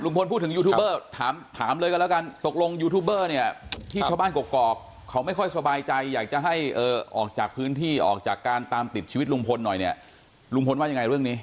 พูดถึงยูทูบเบอร์ถามเลยกันแล้วกันตกลงยูทูบเบอร์เนี่ยที่ชาวบ้านกรอกเขาไม่ค่อยสบายใจอยากจะให้ออกจากพื้นที่ออกจากการตามติดชีวิตลุงพลหน่อยเนี่ยลุงพลว่ายังไงเรื่องนี้